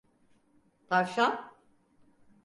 Tavşan?